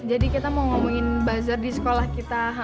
jadi kita mau ngomongin bazar di sekolah kita